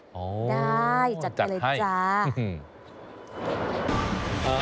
โอ้โฮจัดให้จ้ะโอ้โฮจัดไปเลยจ้ะอือฮืม